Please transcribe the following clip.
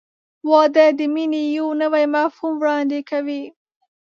• واده د مینې یو نوی مفهوم وړاندې کوي.